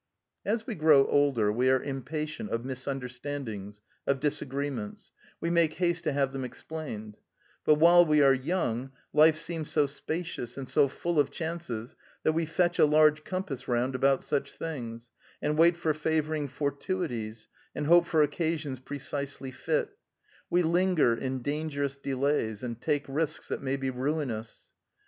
As we grow older, we are impatient of misunderstandings, of disagreements; we make haste to have them explained; but while we are young, life seems so spacious and so full of chances that we fetch a large compass round about such things, and wait for favoring fortuities, and hope for occasions precisely fit; we linger in dangerous delays, and take risks that may be ruinous.